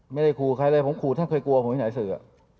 ไม่ได้ขู่ใครเลยผมขู่ท่านเคยกลัวผมที่ไหนสื่อ